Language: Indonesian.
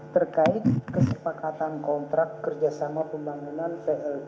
terkait kesepakatan kontrak kerjasama pembangunan plt